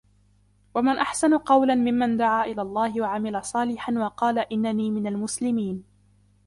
وَمَنْ أَحْسَنُ قَوْلًا مِمَّنْ دَعَا إِلَى اللَّهِ وَعَمِلَ صَالِحًا وَقَالَ إِنَّنِي مِنَ الْمُسْلِمِينَ